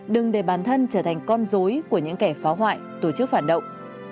đừng để bản thân trở thành con dối của những kẻ phá hoại tổ chức phản động